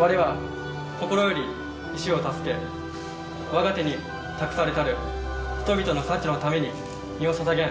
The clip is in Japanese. われは心より医師を助けわが手に託されたる人々の幸のために身を捧げん。